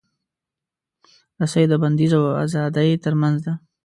رسۍ د بندیز او ازادۍ ترمنځ ده.